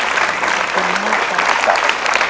ขอบคุณครับ